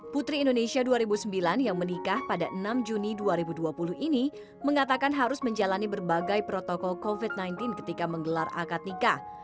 putri indonesia dua ribu sembilan yang menikah pada enam juni dua ribu dua puluh ini mengatakan harus menjalani berbagai protokol covid sembilan belas ketika menggelar akad nikah